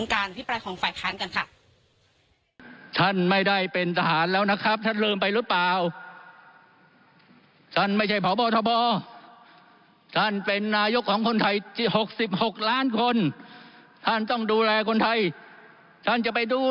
การอภิปรายของฝ่ายค้านกันค่ะ